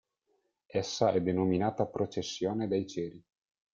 Essa è denominata Processione dei ceri.